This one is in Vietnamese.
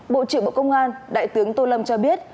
bộ trưởng bộ công an đại tướng tô lâm cho biết